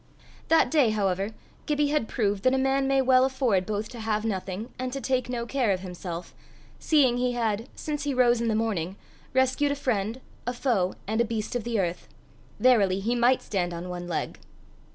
That day, however, Gibbie had proved that a man may well afford both to have nothing, and to take no care of himself, seeing he had, since he rose in the morning, rescued a friend, a foe, and a beast of the earth. Verily, he might stand on one leg!